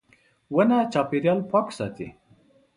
• ونه چاپېریال پاک ساتي.